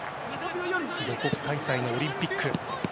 母国開催のオリンピック。